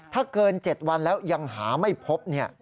ถ้าเกิน๗วันแล้วยังหาไม่พบ